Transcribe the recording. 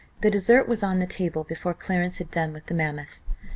The dessert was on the table before Clarence had done with the mammoth.